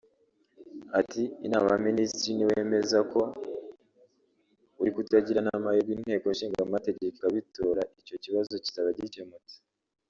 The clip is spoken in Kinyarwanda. Ati “Inama y’abaminisitiri niwemeza uko uri tukagira n’amahirwe inteko ishinga amategeko ikabitora icyo kibazo kizaba gikemutse